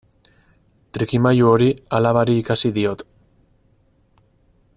Trikimailu hori alabari ikasi diot.